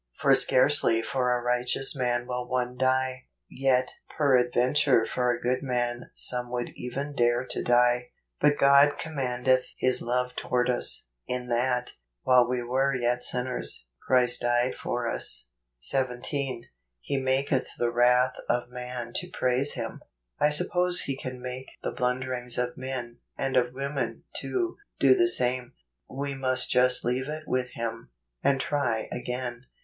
" For scarcely for a righteous man will one die: yet peradventure for a good man some would even dare to die. But God commendeth his love toward us, in that, while we were yet sinners, Christ died for us." G8 JUNE. 17. "He maketh the wrath of man to praise him." I suppose He can make the blunderings of men, and of women, too, do the same. We must just leave it with Him, and try again.